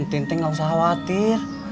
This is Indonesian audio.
tin nggak usah khawatir